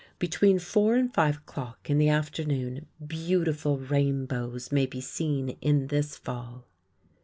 Between four and five o'clock in the afternoon beautiful rainbows may be seen in this fall.